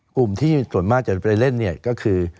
กลุ่มที่ส่วนมากจะไปเล่นเนี่ยก็คือ